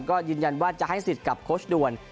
ก็ยืนยันว่าจะให้สิทธิ์กับโค้ชด่วน